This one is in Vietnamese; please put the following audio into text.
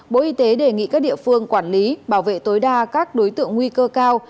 bộ y tế đề nghị các địa phương quản lý bảo vệ tối đa các đối tượng nguy cơ cao